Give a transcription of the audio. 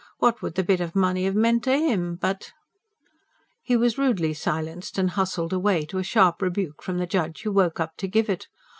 What would the bit of money 'ave meant to 'im? But ..." He was rudely silenced and hustled away, to a sharp rebuke from the judge, who woke up to give it.